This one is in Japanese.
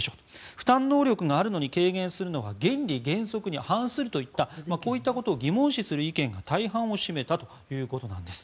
負担能力があるのに軽減するのは原理原則に反するといったこういったことを疑問視する声が大半を占めたということです。